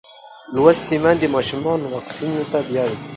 لوستې میندې ماشومان واکسین ته بیايي.